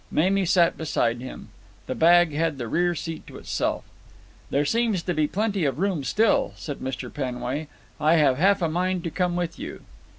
Mamie sat beside him. The bag had the rear seat to itself. "There seems to be plenty of room still," said Mr. Penway. "I have half a mind to come with you."